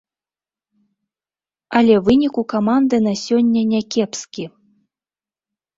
Але вынік у каманды на сёння някепскі.